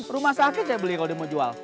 rumah sakit saya beli kalau dia mau jual